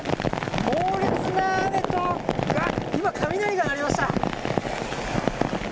猛烈な雨と今、雷が鳴りました。